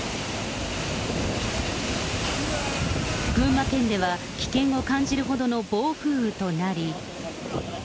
群馬県では危険を感じるほどの暴風雨となり。